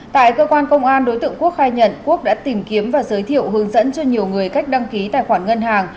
tại cơ quan công an đối tượng quốc khai nhận quốc đã tìm kiếm và giới thiệu hướng dẫn cho nhiều người cách đăng ký tài khoản ngân hàng